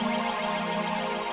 namanya juga lagi jatuh cinta